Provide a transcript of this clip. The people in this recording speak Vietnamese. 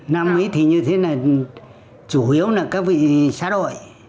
năm ấy thì như thế là chủ yếu là các vị xá đội